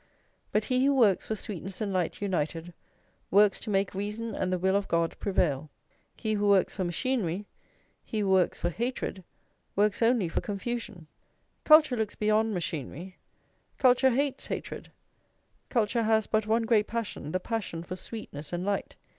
But he who works for sweetness and light united, works to make reason and the will of God prevail. He who works for machinery, he who works for hatred, works only for confusion. Culture looks beyond machinery, culture hates hatred; culture has but one great passion, the passion for sweetness and light.